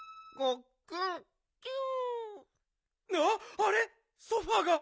あれ？